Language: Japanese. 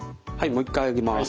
もう一回上げます。